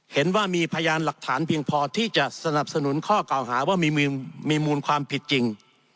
เห็นว่ามีพยานหลักฐานเพียงพอที่จะสนับสนุนข้อเก่าหาว่ามีมูลความผิดจริง